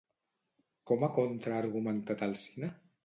Com ha contraargumentat Alsina?